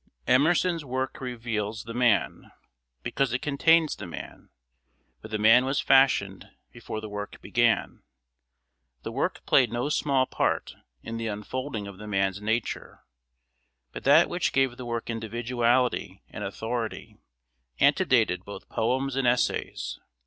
Emerson's work reveals the man, because it contains the man, but the man was fashioned before the work began. The work played no small part in the unfolding of the man's nature, but that which gave the work individuality and authority antedated both poems and essays.